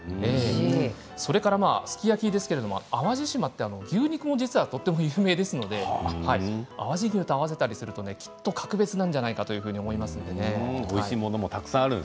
それから、すき焼きですが淡路島って牛肉もとても有名ですので淡路牛と合わせると格別なんじゃないかなと思います。